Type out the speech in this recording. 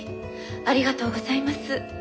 ありがとうございます。